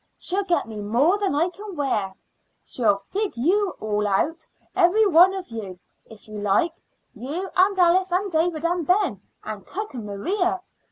She'll get me more than I can wear. She'll fig you all out, every one of you, if you like you and Alice and David and Ben and cook and Maria.